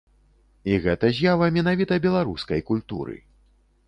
І гэта з'ява менавіта беларускай культуры!